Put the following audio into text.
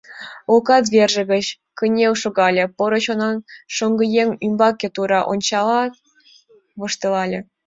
Лукат верже гыч кынел шогале, поро чонан шоҥгыеҥ ӱмбаке тура ончалят, воштылале.